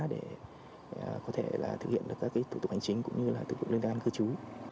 để có thể là thực hiện được các cái thủ tục hành chính cũng như là thủ tục linh đoàn cơ chú